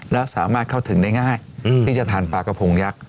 และสามารถเข้าถึงได้ง่ายที่จะทานปลากระพงยักษ์